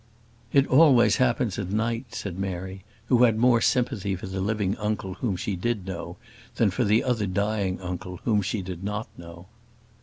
"It always happens at night," said Mary, who had more sympathy for the living uncle whom she did know, than for the other dying uncle whom she did not know.